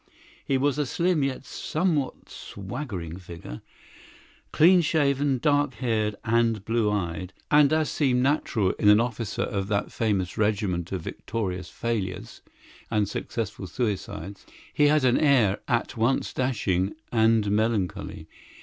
He was a slim yet somewhat swaggering figure, clean shaven, dark haired, and blue eyed, and, as seemed natural in an officer of that famous regiment of victorious failures and successful suicides, he had an air at once dashing and melancholy.